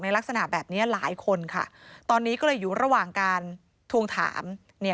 ลักษณะแบบนี้หลายคนค่ะตอนนี้ก็เลยอยู่ระหว่างการทวงถาม